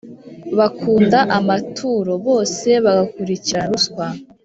bakunda amaturo, bose bagakurikirana ruswa ;